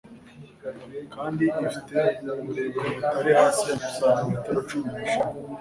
kandi ifite uburebure butari hasi ya santimetebo cumi neshanu